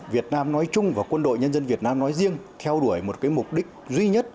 việt nam nói chung và quân đội nhân dân việt nam nói riêng theo đuổi một mục đích duy nhất